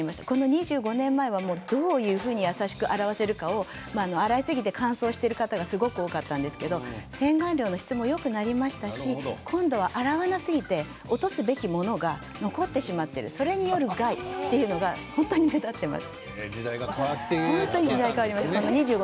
２５年前はどういうふうに優しく洗わせるかを洗いすぎで乾燥している方が多かったんですが、洗顔料の質もよくなりましたので洗わなすぎて落とすべきものが残ってしまう、それによる害というものが目立っています。